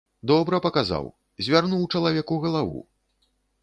Добра паказаў, звярнуў чалавеку галаву.